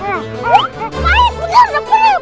kalau kamu percaya ada contohnya